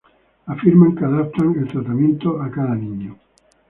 Afirman que adaptan el tratamiento a cada niño.